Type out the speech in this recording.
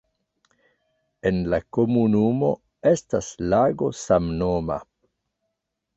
En la komunumo estas lago samnoma.